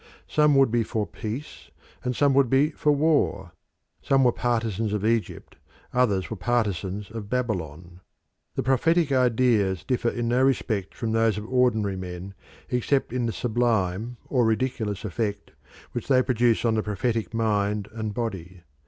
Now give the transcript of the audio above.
Some would be for peace and some would be for war: some were partisans of Egypt, others were partisans of Babylon. The prophetic ideas differ in no respect from those of ordinary men except in the sublime or ridiculous effect which they produce on the prophetic mind and body.